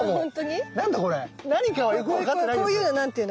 こういうの何て言うの？